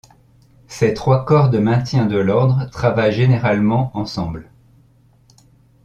Ces trois corps de maintien de l'ordre travaillent généralement ensemble.